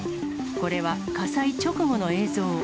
これは、火災直後の映像。